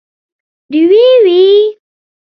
ډیوې وي